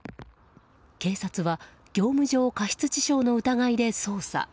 警察は業務上過失致死傷の疑いで捜査。